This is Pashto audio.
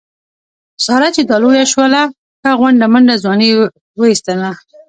ساره چې را لویه شوله ښه غونډه منډه ځواني یې و ایستله.